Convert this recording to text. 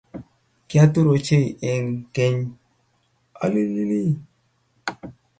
Kiatur ochey eng ' keng' ololii.